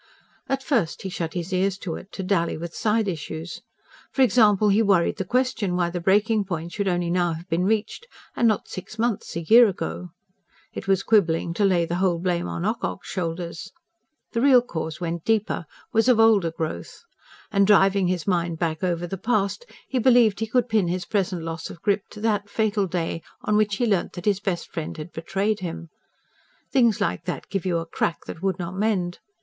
At first he shut his ears to it, to dally with side issues. For example, he worried the question why the breaking point should only now have been reached and not six months, a year ago. It was quibbling to lay the whole blame on Ocock's shoulders. The real cause went deeper, was of older growth. And driving his mind back over the past, he believed he could pin his present loss of grip to that fatal day on which he learnt that his best friend had betrayed him. Things like that gave you a crack that would not mend.